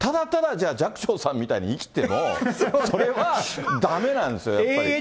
じゃあ、寂聴さんみたいに生きても、それは、だめなんですよ、やっぱり。